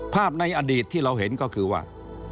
ในอดีตที่เราเห็นก็คือว่า